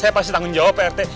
saya pasti tanggung jawab pak rt